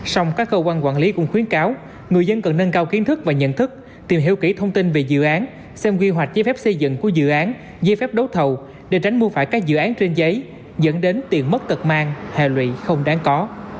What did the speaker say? song các cơ quan quản lý cũng khuyến cáo người dân cần nâng cao kiến thức và nhận thức tìm hiểu kỹ thông tin về dự án xem quy hoạch giấy phép xây dựng của dự án dây phép đấu thầu để tránh mua phải các dự án trên giấy dẫn đến tiền mất tật mang hệ lụy không đáng có